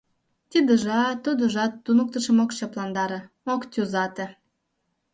Тидыжат, тудыжат туныктышым ок чапландаре, ок тӱзате.